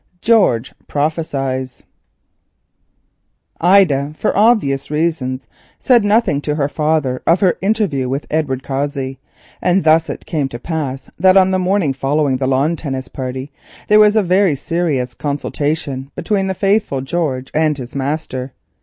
GEORGE PROPHESIES Ida, for obvious reasons, said nothing to her father of her interview with Edward Cossey, and thus it came to pass that on the morning following the lawn tennis party, there was a very serious consultation between the faithful George and his master.